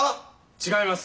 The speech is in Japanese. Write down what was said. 違います。